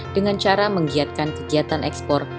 dengan cara menggiatkan kegiatan ekspor